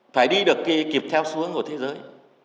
phải đi được kịp theo xuống của thế giới